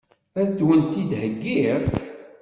Ad wen-t-id-heggiɣ?